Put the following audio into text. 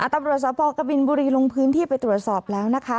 ตำรวจสพกบินบุรีลงพื้นที่ไปตรวจสอบแล้วนะคะ